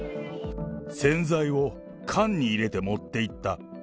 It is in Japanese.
洗剤を缶に入れて持っていった。